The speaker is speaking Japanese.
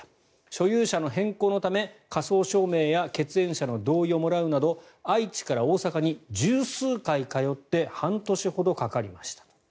所有者の変更のため、火葬証明や血縁者の同意をもらうなど愛知から大阪に１０数回通って半年ほどかかりましたと。